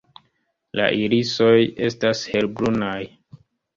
La irisoj estas helbrunaj.